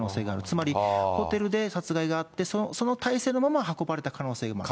つまり、ホテルで殺害があって、その体勢のまま運ばれた可能性がある。